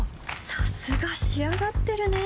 さすが仕上がってるね